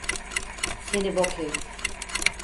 Seni bok herif!